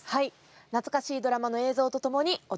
懐かしいドラマの映像とともにお届けします。